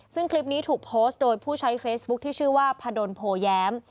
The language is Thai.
ซึ่งคลิปนี้ถูกโพสต์โดยผู้ใช้เฟซบุ๊คที่ชื่อว่าพะดนโพแย้ม